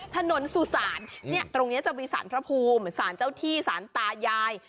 ถนนสุสานตรงนี้จะมีสารพระภูมิสารเจ้าที่สารตายาย